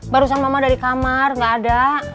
barusan mama dari kamar gak ada